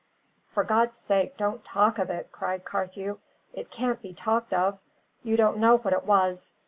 "For God's sake, don't talk of it!" cried Carthew. "It can't be talked of; you don't know what it was.